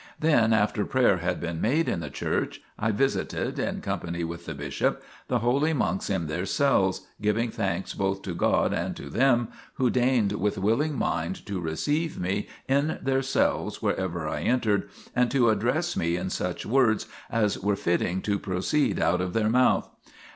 Then, after prayer had been made in the church, I visited, in company with the bishop, the holy monks in their cells, giving thanks both to God and to them, who deigned with willing mind to receive me in their cells wherever I entered, and to address me in such words as were fitting to proceed out of their mouth.